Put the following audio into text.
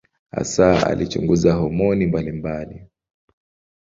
Hasa alichunguza homoni mbalimbali.